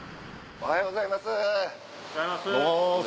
おはようございます。